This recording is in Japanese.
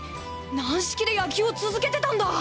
軟式で野球を続けてたんだ！